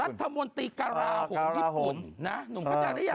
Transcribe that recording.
รัฐมนตรีกราโฮมญี่ปุ่นนุ่มเข้าใจหรือยัง